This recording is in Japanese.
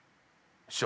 師匠。